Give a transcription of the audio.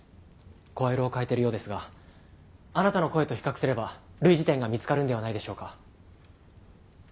声色を変えてるようですがあなたの声と比較すれば類似点が見つかるんではないでしょうか。